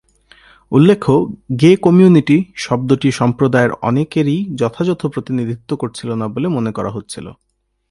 উল্লেখ্য, "gay community" শব্দটি সম্প্রদায়ের অনেকেরই যথাযথ প্রতিনিধিত্ব করছিল না বলে মনে করা হচ্ছিল।